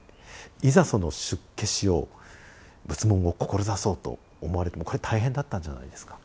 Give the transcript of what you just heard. いざその出家しよう仏門を志そうと思われてもこれ大変だったんじゃないですか？